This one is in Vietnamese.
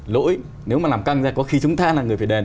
lỗi nếu mà làm căng ra có khi chúng ta là người phải đền